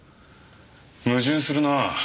矛盾するなあ。